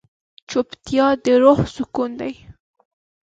چوپتیا، د روح سکون دی.